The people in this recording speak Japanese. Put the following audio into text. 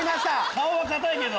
顔は硬いけど。